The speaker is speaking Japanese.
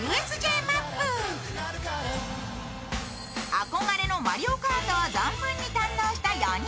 憧れのマリオカートを存分に堪能した４人。